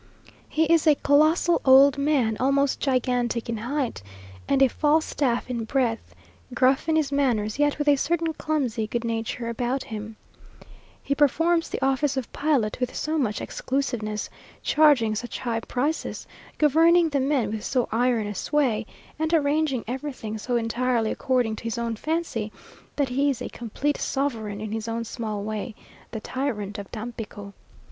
He is a colossal old man, almost gigantic in height, and a Falstaff in breadth gruff in his manners, yet with a certain clumsy good nature about him. He performs the office of pilot with so much exclusiveness, charging such high prices, governing the men with so iron a sway, and arranging everything so entirely according to his own fancy, that he is a complete sovereign in his own small way the tyrant of Tampico.